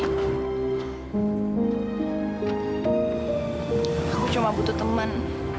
aku cuma butuh teman